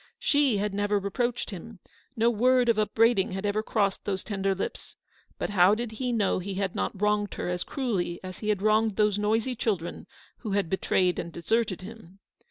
She had never reproached him ; no word of upbraiding had ever crossed those tender lips. But how did he THE STORY OF THE PAST. 40 know that he had not wronged her as cruelly as he had wronged those noisy children who had betrayed and deserted him